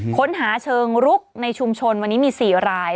ค้นหาเชิงรุกในชุมชนวันนี้มี๔ราย